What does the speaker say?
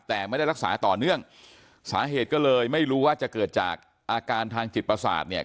แต่ไม่ได้รักษาต่อเนื่องสาเหตุก็เลยไม่รู้ว่าจะเกิดจากอาการทางจิตประสาทเนี่ย